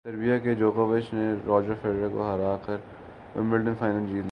Serbia کے جوکووچ نے راجر فیڈرر کو ہرا کر ومبلڈن فائنل جیت لیا